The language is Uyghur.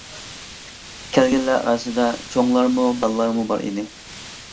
كەلگەنلەر ئارىسىدا چوڭلارمۇ، بالىلارمۇ بار ئىدى.